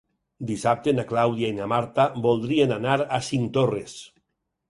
Dissabte na Clàudia i na Marta voldrien anar a Cinctorres.